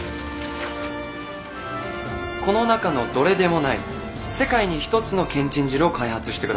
この中のどれでもない世界に一つのけんちん汁を開発してください。